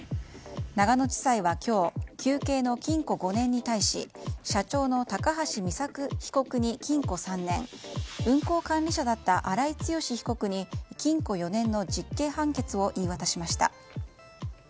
長野地裁は今日求刑の禁錮５年に対し社長の高橋美作被告に禁錮３年運行管理者だった荒井強被告に禁錮４年の実刑判決を言い渡しました。